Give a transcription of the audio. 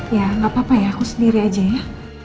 ya nggak apa apa ya aku sendiri aja ya